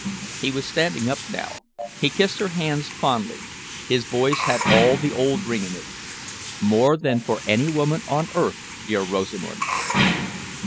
He was standing up now. He kissed her hands fondly. His voice had all the old ring in it. "More than for any woman on earth, dear Rosamund!"